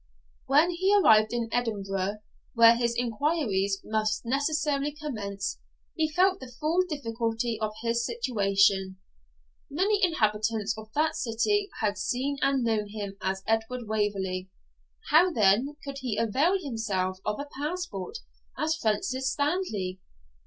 When he arrived in Edinburgh, where his inquiries must necessarily commence, he felt the full difficulty of his situation. Many inhabitants of that city had seen and known him as Edward Waverley; how, then, could he avail himself of a passport as Francis Stanley?